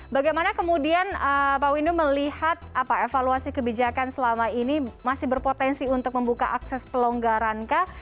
bagaimana kemudian pak windu melihat evaluasi kebijakan selama ini masih berpotensi untuk membuka akses pelonggaran kah